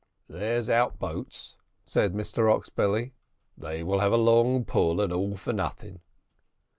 "There's out boats," said Mr Oxbelly; "they will have a long pull, and all for nothing."